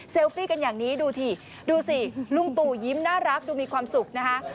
ฟี่กันอย่างนี้ดูสิดูสิลุงตู่ยิ้มน่ารักดูมีความสุขนะคะ